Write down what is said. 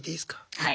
はい。